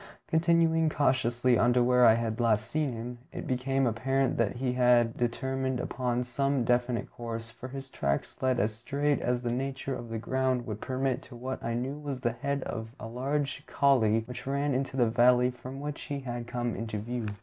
Continuing cautiously on to where I had last seen him, it became apparent that he had determined upon some definite course, for his tracks led as straight as the nature of the ground would permit to what I knew was the head of a large coulée which ran into the valley from which he had come into view.